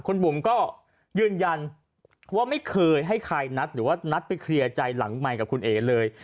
คุณบุ๋มก็ยืนยันว่าไม่เคยให้ใครนัดหรือว่านัดไปเคลียร์ใจหลังใหม่กับคุณเอ๋เลย